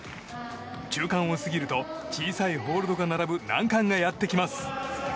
中間を過ぎると小さいホールドが並ぶ難関がやってきます。